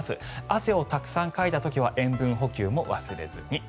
汗をたくさんかいた時は塩分補給も忘れずに。